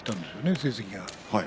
成績が。